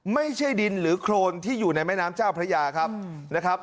ไม่ใช่ดินหรือโครนที่อยู่ในแม่น้ำเจ้าพระยาครับนะครับ